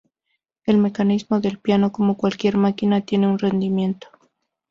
El mecanismo del piano, como cualquier máquina, tiene un rendimiento.